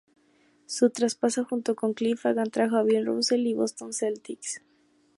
Su traspaso junto con Cliff Hagan trajo a Bill Russell a Boston Celtics.